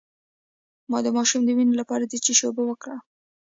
د ماشوم د وینې لپاره د څه شي اوبه ورکړم؟